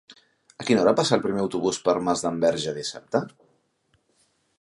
A quina hora passa el primer autobús per Masdenverge dissabte?